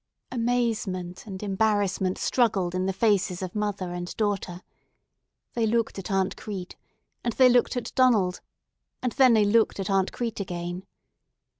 Amazement and embarrassment struggled in the faces of mother and daughter. They looked at Aunt Crete, and they looked at Donald, and then they looked at Aunt Crete again.